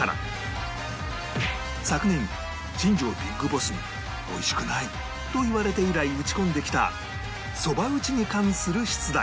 昨年新庄 ＢＩＧＢＯＳＳ に美味しくないと言われて以来打ち込んできたそば打ちに関する出題